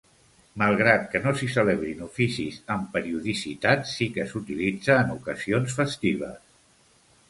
Malgrat que no s'hi celebrin oficis amb periodicitat sí que s'utilitza en ocasions festives.